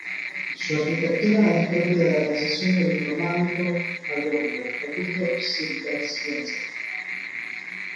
Su arquitectura es propia de la transición del románico al gótico al gusto cisterciense.